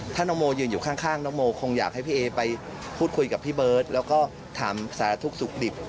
ถ้าน้องโมยืนอยู่ข้างน้องโมคงอยากให้พี่เอไปพูดคุยกับพี่เบิร์ตแล้วก็ถามสารทุกข์สุขดิบ